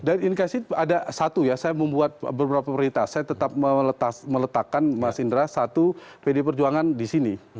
dan indikasi ada satu ya saya membuat beberapa prioritas saya tetap meletakkan mas indra satu pdi perjuangan disini